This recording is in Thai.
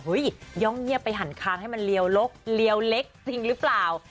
ย่องเงียบไปหันคางให้มันเรียวลกเลียวเล็กจริงหรือเปล่า